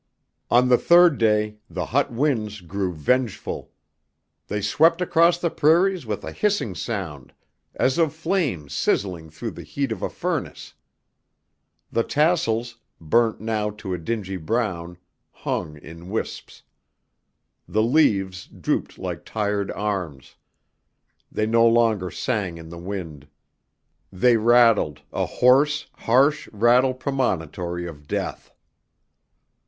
On the third day the hot winds grew vengeful. They swept across the prairies with a hissing sound as of flames sizzling through the heat of a furnace. The tassels, burnt now to a dingy brown, hung in wisps. The leaves drooped like tired arms. They no longer sang in the wind. They rattled, a hoarse, harsh rattle premonitory of death.